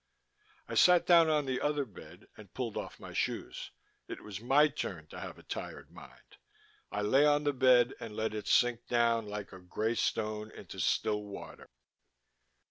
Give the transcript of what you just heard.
I sat down on the other bed and pulled off my shoes. It was my turn to have a tired mind. I lay on the bed and let it sink down like a grey stone into still water.